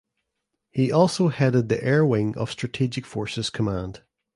He also headed the Air Wing of Strategic Forces Command.